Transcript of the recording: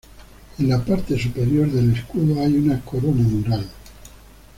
En la parte superior del escudo hay una corona mural.